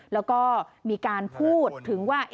แล้วก็มีการพูดถึงว่า